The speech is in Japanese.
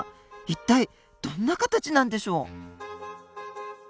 一体どんなカタチなんでしょう。